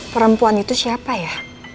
perempuan itu siapa ya